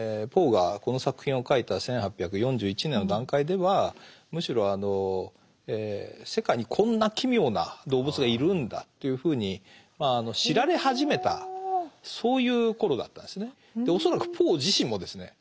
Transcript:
ポーがこの作品を書いた１８４１年の段階ではむしろ世界にこんな奇妙な動物がいるんだというふうに知られ始めたそういう頃だったんですね。